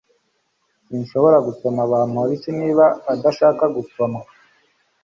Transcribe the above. Sinshobora gusoma Bamoriki niba adashaka gusomwa